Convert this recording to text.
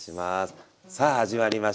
さあ始まりました。